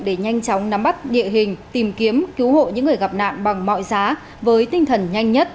để nhanh chóng nắm bắt địa hình tìm kiếm cứu hộ những người gặp nạn bằng mọi giá với tinh thần nhanh nhất